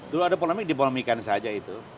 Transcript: dulu ada polemik dipolemikan saja itu